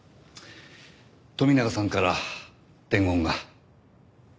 富永さんから伝言が。